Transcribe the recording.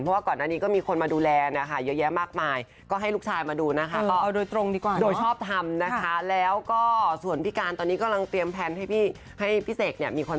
เพราะว่าก่อนหน้านี้ก็มีคนมาดูแลเยอะแยะมากมาย